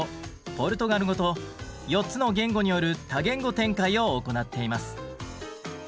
ポルトガル語と４つの言語による多言語展開を行っています。